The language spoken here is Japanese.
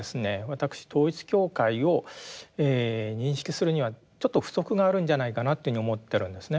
私統一教会を認識するにはちょっと不足があるんじゃないかなというふうに思ってるんですね。